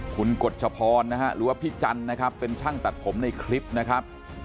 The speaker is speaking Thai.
คุณกฎชพรนะฮะหรือว่าพี่จันทร์นะครับเป็นช่างตัดผมในคลิปนะครับ